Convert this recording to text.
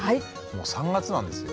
もう３月なんですよ。